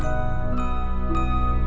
ya aku mau makan